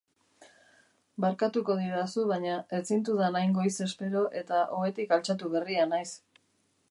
Barkatuko didazu baina ez zintudan hain goiz espero eta ohetik altxatu berria naiz.